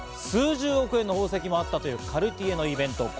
数十億円の宝石もあったというカルティエのイベント。